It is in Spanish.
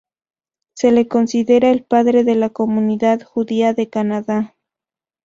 Se le considera el padre de la comunidad judía de Canadá.